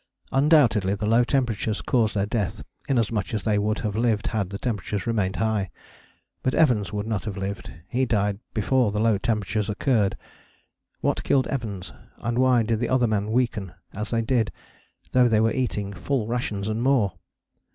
Undoubtedly the low temperatures caused their death, inasmuch as they would have lived had the temperatures remained high. But Evans would not have lived: he died before the low temperatures occurred. What killed Evans? And why did the other men weaken as they did, though they were eating full rations and more?